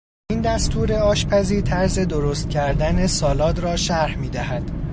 این دستور آشپزی طرز درست کردن سالاد را شرح میدهد.